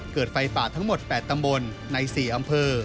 เกิดไฟป่าทั้งหมด๘ตำบลใน๔อำเภอ